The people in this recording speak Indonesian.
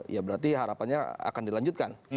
ya berarti harapannya akan dilanjutkan